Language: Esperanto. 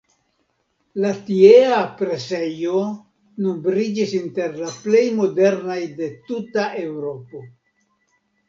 La tiea presejo nombriĝis inter la plej modernaj de tuta Eŭropo.